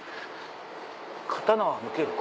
刀は抜けるか？